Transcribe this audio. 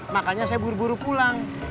makanya saya buru buru pulang